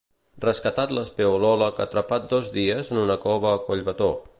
Rescatat l'espeleòleg atrapat dos dies en una cova a Collbató.